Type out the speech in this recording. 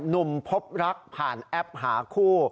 นุ่มพบลักษณ์ผ่านแอปหาคู่